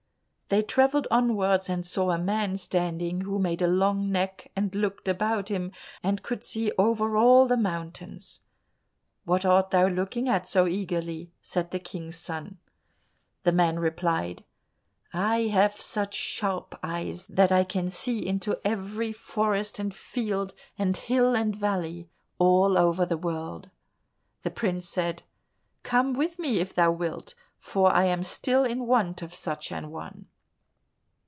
They travelled onwards, and saw a man standing who made a long neck and looked about him, and could see over all the mountains. "What art thou looking at so eagerly?" said the King's son. The man replied, "I have such sharp eyes that I can see into every forest and field, and hill and valley, all over the world." The prince said, "Come with me if thou wilt, for I am still in want of such an one."